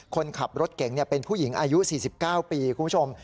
คนขับรถเก่งเป็นผู้หญิงอายุ๔๙ปีคุณผู้ชม